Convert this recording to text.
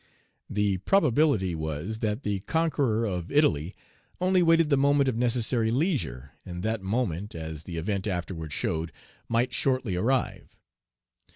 The probability was, that the conqueror of Italy only waited the moment of necessary leisure, and that moment, as the event afterward showed, might shortly arrive.